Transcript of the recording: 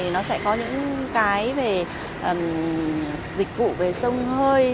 nó sẽ có những cái về dịch vụ về sông hơi